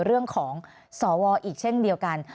เรื่องของสอวออีกเช่นเดียวกัน